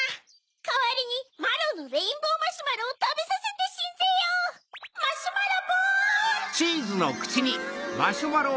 かわりにまろのレインボーマシュマロをたべさせてしんぜようマシュマロボール！